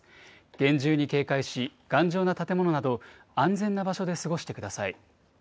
厳重に警戒し、頑丈な建物など、安全な場所で過ごしてください。